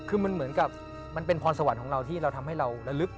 คือมันเหมือนกับมันเป็นพรสวรรค์ของเราที่เราทำให้เราระลึก